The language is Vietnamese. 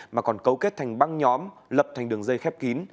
mà còn cấu kết thành băng nhóm lập thành đường dây khép kín